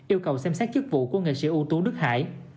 yêu cầu xem xét chức vụ của nghệ sĩ ưu tú đức hải